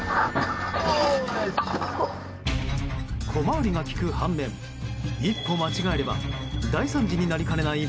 小回りが利く反面一歩間違えれば大惨事になりかねない